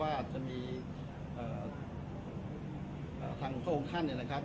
ว่าจะมีเอ่อเอ่อทางโครงท่านเนี่ยนะครับ